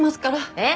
えっ？